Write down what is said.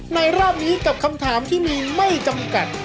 รอบนี้กับคำถามที่มีไม่จำกัด